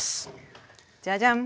じゃじゃん！